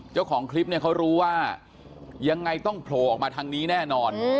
เจ้าของคลิปเนี่ยเขารู้ว่ายังไงต้องโผล่ออกมาทางนี้แน่นอน